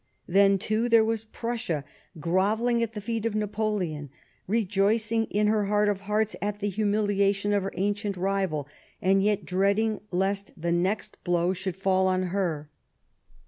Then, too, there was Prussia, grovelling at the feet of Napoleon ; rejoicing in her heart of hearts at the humiliation of her ancient rival ; and yet dreading lest the next blow should fall on her.